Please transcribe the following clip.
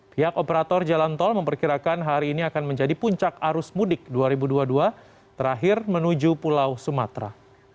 pihak operator jalan tol memperkirakan hari ini akan menjadi puncak arus mudik dua ribu dua puluh dua terakhir menuju pulau sumatera